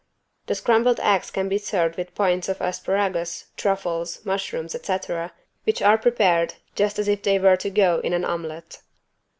The scrambled eggs can be served with points of asparagus, truffles, mushrooms, etc. which are prepared just as if they were to go in an omelet.